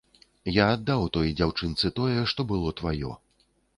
Я аддаў той дзяўчынцы тое, што было тваё.